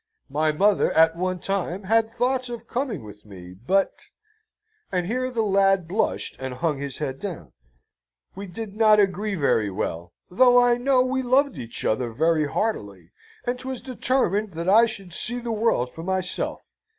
My mother, at one time, had thoughts of coming with me, but " (and here the lad blushed and hung his head down) " we did not agree very well, though I know we loved each other very heartily, and 'twas determined that I should see the world for myself.